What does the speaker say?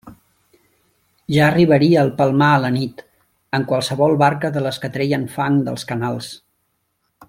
Ja arribaria al Palmar a la nit en qualsevol barca de les que treien fang dels canals.